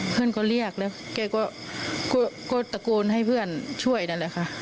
เพื่อนก็เรียกแล้วแกก็ตะโกนให้เพื่อนช่วยนั่นแหละค่ะ